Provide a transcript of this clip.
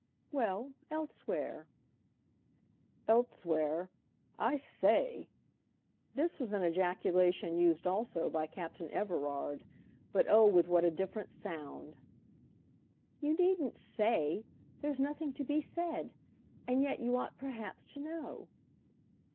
"Well, elsewhere." "Elsewhere?—I say!" This was an ejaculation used also by Captain Everard, but oh with what a different sound! "You needn't 'say'—there's nothing to be said. And yet you ought perhaps to know."